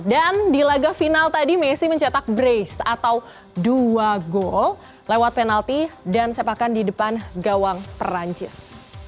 di laga final tadi messi mencetak brace atau dua gol lewat penalti dan sepakan di depan gawang perancis